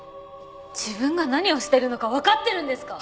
自分が何をしてるのかわかってるんですか！？